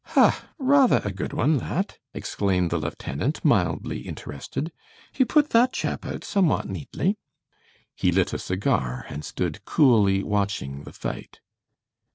"Ha! Rather a good one, that," exclaimed the lieutenant, mildly interested. "He put that chap out somewhat neatly." He lit a cigar and stood coolly watching the fight.